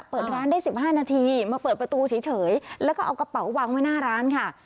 เปิดร้านได้๑๕นาทีมาเปิดประตูเฉยแล้วก็เอากระเป๋าวางไว้หน้าร้านค่ะ